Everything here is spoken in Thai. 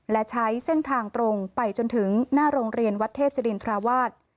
และใช้เส้นทางตรงไปจนถึงหน้าโรงเรียนวัดเทพจรินทราวาส